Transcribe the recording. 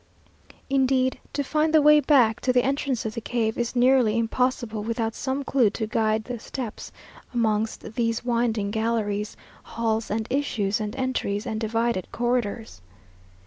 Indeed to find the way back to the entrance of the cave is nearly impossible, without some clue to guide the steps amongst these winding galleries, halls, and issues and entries, and divided corridors.